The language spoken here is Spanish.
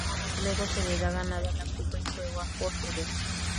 Luego, se le da ganada la Copa en juego a For Ever.